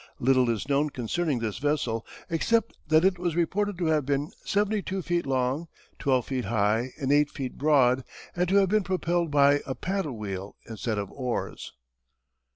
Little is known concerning this vessel except that it was reported to have been seventy two feet long, twelve feet high, and eight feet broad, and to have been propelled by a paddlewheel instead of oars.